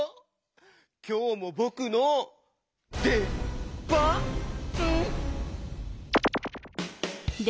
きょうもぼくのでばん？